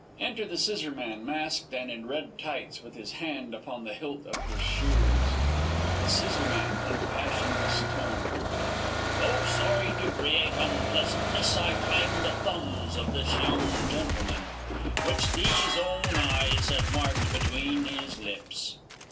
[Enter the Scissorman, masked and in red tights, with his hand upon the hilt of his shears. The S. (in a passionless tone). Though sorry to create unpleasantness, I claim the thumbs of this young gentleman, Which these own eyes have marked between his lips.